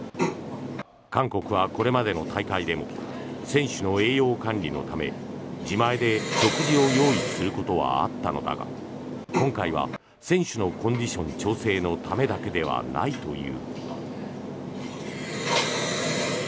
韓国はこれまでの大会でも選手の栄養管理のため自前で食事を用意することはあったのだが今回は選手のコンディション調整のためだけではないという。